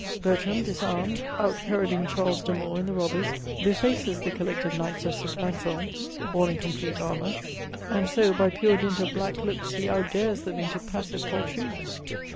Bertram disarmed, outheroding Charles de Moor in the Robbers, befaces the collected knights of St. Anselm, (all in complete armour) and so, by pure dint of black looks, he outdares them into passive poltroons.